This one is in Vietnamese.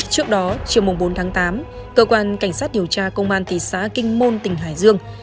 trước đó chiều bốn tháng tám cơ quan cảnh sát điều tra công an thị xã kinh môn tỉnh hải dương